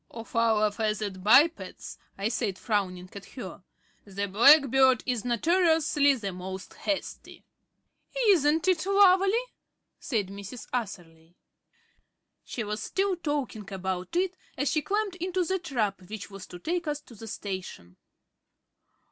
"Of our feathered bipeds," I said, frowning at her, "the blackbird is notoriously the most hasty." "Isn't it lovely?" said Mrs. Atherley. She was still talking about it as she climbed into the trap which was to take us to the station.